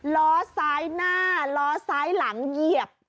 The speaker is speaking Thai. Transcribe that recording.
ล้อซ้ายหน้าล้อซ้ายหลังเหยียบ